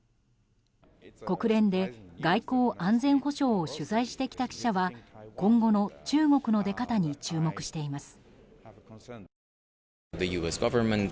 国連で外交・安全保障を取材してきた記者は今後の中国の出方に注目しています。